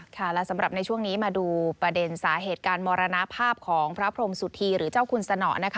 และสำหรับในช่วงนี้มาดูประเด็นสาเหตุการมรณภาพของพระพรมสุธีหรือเจ้าคุณสนอนะคะ